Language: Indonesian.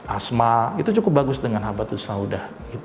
asma itu cukup bagus dengan habatus sauda